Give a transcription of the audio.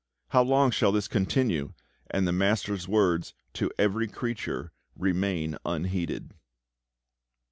How long shall this continue, and the MASTER'S words, "To every creature," remain unheeded?